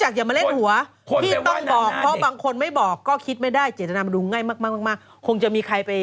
เข้ามาคอมเมนต์ให้กำลังใจด้วยนะ